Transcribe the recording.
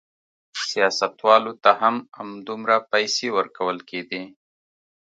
سیاستوالو ته هم همدومره پیسې ورکول کېدې.